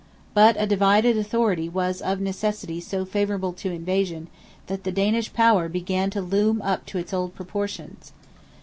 But a divided authority was of necessity so favourable to invasion, that the Danish power began to loom up to its old proportions.